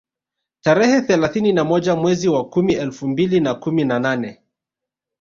Tarehe thelathini na moja mwezi wa kumi elfu mbili na kumi na nane